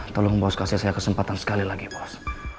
tolong bos kasih saya kesempatan sekali lagi bos